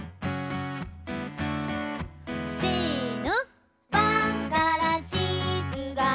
せの！